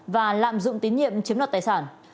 và lạm dụng tín nhiệm chiếm đoạt tài sản